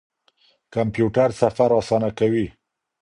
کمپيوټر سفر آسانه کوي.